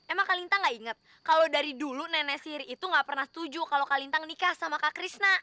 emang kak lintang gak inget kalau dari dulu nenek siri itu gak pernah setuju kalau kak lintang nikah sama kak krisna